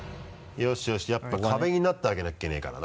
よしよしやっぱ壁になってあげなきゃいけないからな。